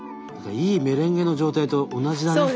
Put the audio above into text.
いいメレンゲの状態と同じだね。